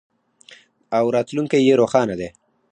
او راتلونکی یې روښانه دی.